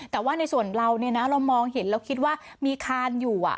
แต่ว่าในส่วนเราเนี่ยนะเรามองเห็นแล้วคิดว่ามีคานอยู่อ่ะ